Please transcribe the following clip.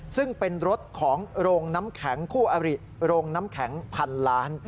ซึ่งเป็นรถของโรงน้ำแข็งคู่อริโรงน้ำแข็งพันล้าน